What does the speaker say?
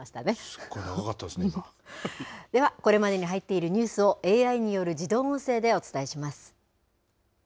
すごい長かったですね、ではこれまでに入っているニュースを、ＡＩによる自動音声でお伝えします。